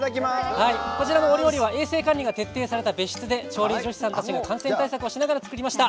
こちらのお料理は衛生管理が徹底された別室で調理助手さんたちが感染対策をしながら作りました。